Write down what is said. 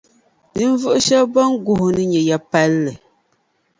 ninvuɣ’ shɛb’ bɛn guhi’ o ni nya ya’ palli.